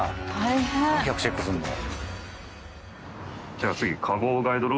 ４００チェックすんの？